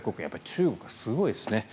中国はすごいですね。